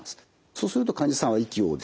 そうすると患者さんは息をですね